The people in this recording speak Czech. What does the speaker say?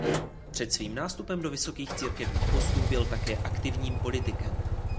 Před svým nástupem do vysokých církevních postů byl také aktivním politikem.